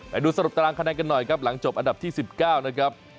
ไปดูสรุปตารางคะแนนกันหน่อยครับหลังจบอันดับที่๑๙นะครับ